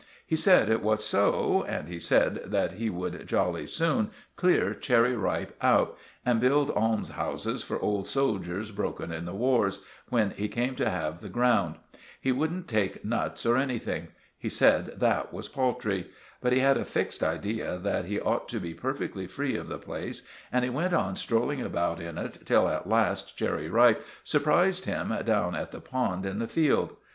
He said it was so; and he said that he should jolly soon clear Cherry Ripe out, and build almshouses for old soldiers broken in the wars, when he came to have the ground. He wouldn't take nuts or anything. He said that was paltry; but he had a fixed idea that he ought to be perfectly free of the place, and he went on strolling about in it till at last Cherry Ripe surprised him down at the pond in the field.